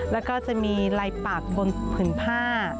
แล้วก็จะมีลายปากบนผืนผ้า